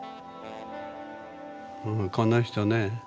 この人ね